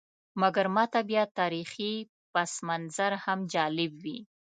مګر ماته بیا تاریخي پسمنظر هم جالب وي.